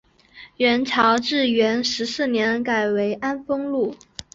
元朝至元十四年改为安丰路。